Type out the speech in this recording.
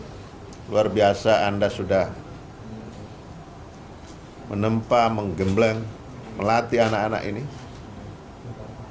dan juga untuk coach sinteyong luar biasa anda sudah menempa menggembleng melatih anak anak indonesia